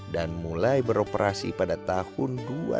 dan mulai beroperasi pada tahun dua ribu tujuh belas